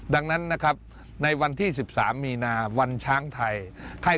ดังนั้นนะครับในวันที่๑๓มีนาวันช้างไทย